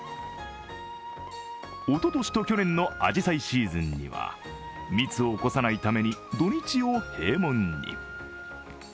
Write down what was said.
おととしと去年のあじさいシーズンには密を起こさないために土日を閉門に。